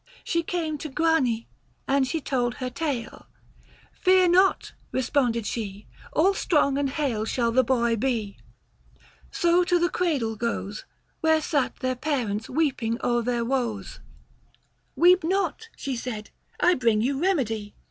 She came to Grane, and she told her tale. 175 " Fear not," responded she, " all strong and hale Shall the boy be ;" so to the cradle goes, Where sat the parents weeping o'er their woes ;" Weep not," she said, " I bring you remedy."